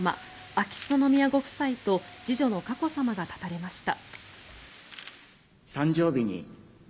秋篠宮ご夫妻と次女の佳子さまが立たれました。